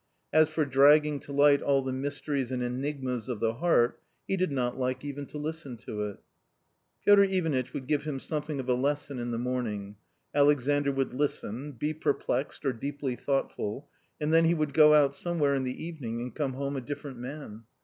As for dragging to light all the mysteries and enigmas of the heart, he did not like even to listen to it. Piotr Ivanitch would give him something of a lesson in the morning: Alexandr would listen, be perplexed or deeply thoughtful, and then he would go out somewhere in the evening and come home a different man.